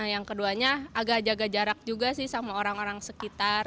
yang keduanya agak jaga jarak juga sih sama orang orang sekitar